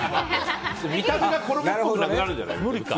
見た目が衣っぽくなくなるんじゃない？